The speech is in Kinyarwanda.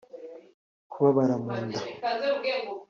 kubabara mu nda